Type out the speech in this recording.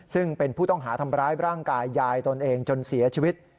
ซึ่งเป็นผู้ต้องหาทำร้ายร่างกายยายตนเองจนเสียชีวิต